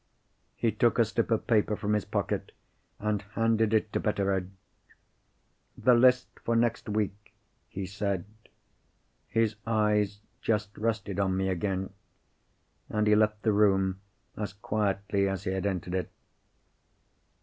He took a slip of paper from his pocket, and handed it to Betteredge. "The list for next week," he said. His eyes just rested on me again—and he left the room as quietly as he had entered it.